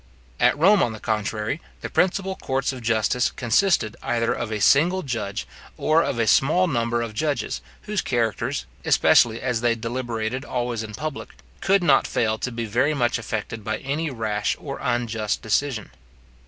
At Rome, on the contrary, the principal courts of justice consisted either of a single judge, or of a small number of judges, whose characters, especially as they deliberated always in public, could not fail to be very much affected by any rash or unjust decision.